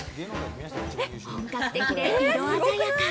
本格的で色鮮やか。